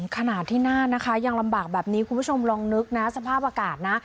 ขนาดที่หน้านะคะยังลำบากแบบนี้คุณผู้ชมลองนึกนะสภาพอากาศนะ